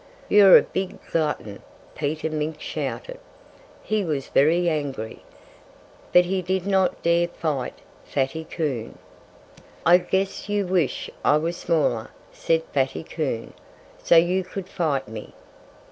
"You're a big glutton!" Peter Mink shouted. He was very angry. But he did not dare fight Fatty Coon. "I guess you wish I was smaller," said Fatty Coon, "so you could fight me."